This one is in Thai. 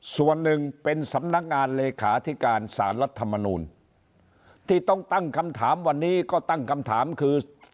ส่วนหนึ่งเป็นสำนักงานเลขาธิการสารรัฐมนูลที่ต้องตั้งคำถามวันนี้ก็ตั้งคำถามคือ